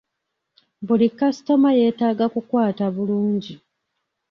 Buli kasitoma yeetaga kukwata bulungi.